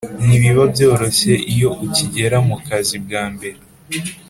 ntibiba byoroshye iyo ukigera mu kazi bwambere